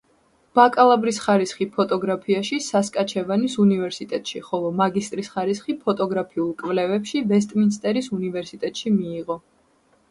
ბაკალავრის ხარისხი ფოტოგრაფიაში სასკაჩევანის უნივერსიტეტში, ხოლო მაგისტრის ხარისხი ფოტოგრაფიულ კვლევებში ვესტმინსტერის უნივერსიტეტში მიიღო.